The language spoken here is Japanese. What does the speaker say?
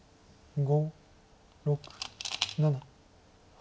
５６７８。